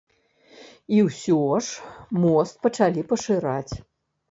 І ўсё ж мост пачалі пашыраць.